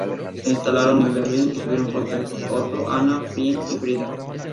Se instalaron en Berlín y tuvieron cuatro hijos: Otto, Anna, Fritz y Frida.